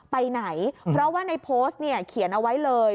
ไปไหนเพราะว่าในโพสต์เนี่ยเขียนเอาไว้เลย